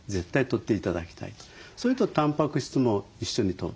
それとたんぱく質も一緒にとると。